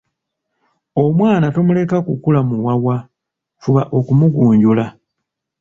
Omwana tomuleka kukula muwawa, fuba okumugunjula.